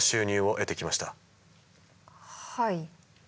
はい。